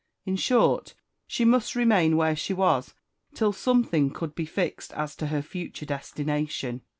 In short, she must remain where she was till something could be fixed as to her future destination.